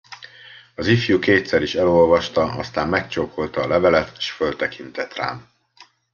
Az ifjú kétszer is elolvasta, aztán megcsókolta a levelet, s föltekintett rám.